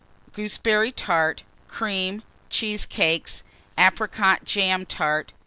Gooseberry Tart. Cream. Cheesecakes. Apricot jam Tart.